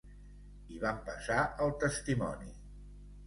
I van passar el testimoni.